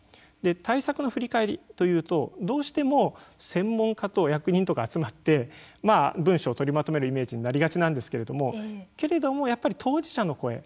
対策の振り返りというとどうしても専門家と役人が集まって文書を取りまとめるイメージになりがちなんですけれどもけれどもやっぱり当事者の声